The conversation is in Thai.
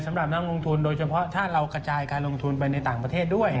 สำหรับนักลงทุนโดยเฉพาะถ้าเรากระจายการลงทุนไปในต่างประเทศด้วย